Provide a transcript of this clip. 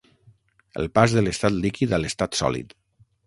El pas de l'estat líquid a l'estat sòlid.